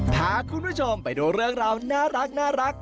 พาคุณผู้ชมไปดูเรื่องราวน่ารัก